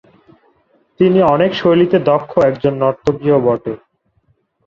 তিনি অনেক শৈলীতে দক্ষ একজন নর্তকী ও বটে।